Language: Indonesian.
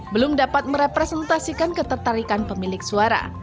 belum dapat merepresentasikan ketertarikan pemilik suara